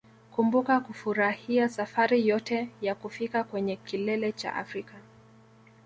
Kumbuka kufurahia safari yote ya kufika kwenye kilele cha Afrika